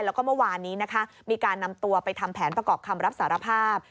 แล้วก็เมื่อวานนี้นะคะมีการนำตัวไปทำแผนประกอบคำรับสารภาพ